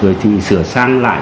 rồi thì sửa sang lại